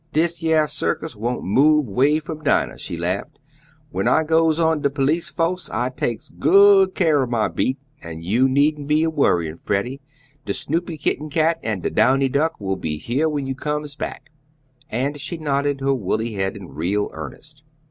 "Dis yeah circus won't move 'way from Dinah," she laughed. "When I goes on de police fo'ce I takes good care ob my beat, and you needn't be a worryin', Freddie, de Snoopy kitty cat and de Downy duck will be heah when you comes back," and she nodded her wooly head in real earnest.